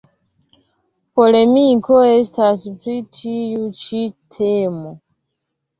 Polemiko estas pri tiu ĉi temo.